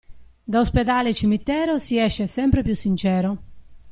Da ospedale e cimitero si esce sempre più sincero.